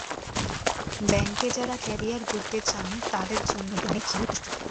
ব্যাংকে যাঁরা ক্যারিয়ার গড়তে চান তাঁদের জন্য এটি অনেক ভালো একটি সুযোগ।